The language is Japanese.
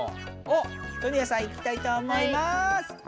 おっソニアさんいきたいと思います。